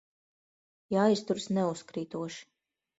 Jāizturas neuzkrītoši.